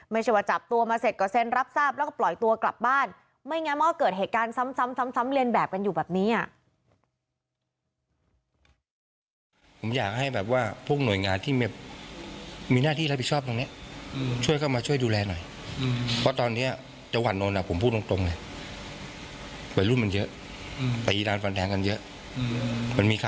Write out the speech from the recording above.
ไม่ใช่ว่าจับตัวมาเสร็จก็เซ็นรับทราบแล้วก็ปล่อยตัวกลับบ้านไม่งั้นมันก็เกิดเหตุการณ์ซ้ำเรียนแบบกันอยู่แบบนี้อ่ะ